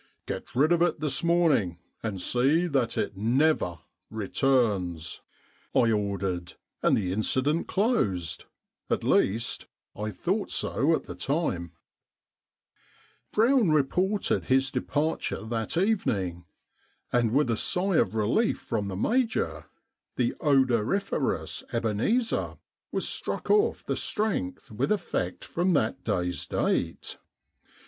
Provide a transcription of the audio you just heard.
" Get rid of it this morning, and see that it never returns !" I ordered, and the incident closed — at least I thought so at the time. EBENEEZER THE GOAT 143 Brown reported his departure that evening, and with a sigh of relief from the Major the odoriferous Ebeneezer was struck off the strength with effect from that day's date.